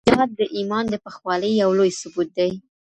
جهاد د ایمان د پخوالي یو لوی ثبوت دی.